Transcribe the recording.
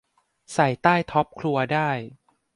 ใส่ใต้ท็อปครัวได้